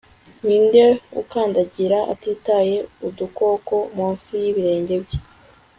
ninde ukandagira, atitaye, udukoko munsi y'ibirenge bye